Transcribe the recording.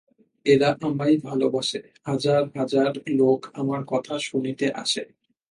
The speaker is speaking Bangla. এরা আমায় ভালবাসে, হাজার হাজর লোক আমার কথা শুনিতে আসে।